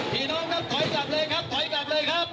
พี่น้องครับถอยกลับเลยครับ